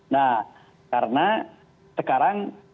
nah karena sekarang